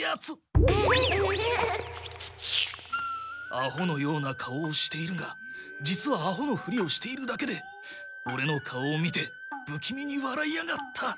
アホのような顔をしているが実はアホのふりをしているだけでオレの顔を見てぶきみにわらいやがった。